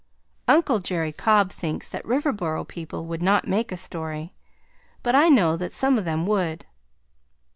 Uncle Jerry Cobb thinks that Riverboro people would not make a story, but I know that some of them would.